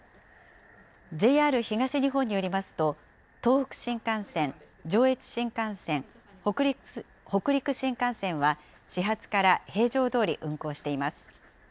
ＪＲ東日本によりますと、東北新幹線、上越新幹線、北陸新幹線は、始発から平常どおり運行しています。